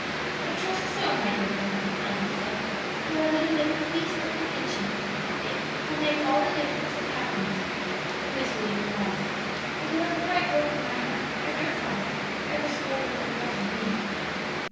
"I trust so, my dear boy," Elsie said, "for whether you live in peace or contention, will make all the difference of happiness or misery in your lives. It would have quite broken my heart had your father ever scolded or threatened me."